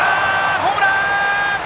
ホームラン！